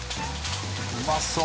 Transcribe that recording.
うまそう！